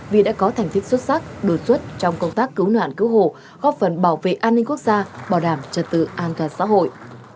vì đã có thành tích xuất sắc đột xuất trong công tác cứu nạn cứu hộ góp phần bảo vệ an ninh quốc gia bảo đảm trật tự an toàn xã hội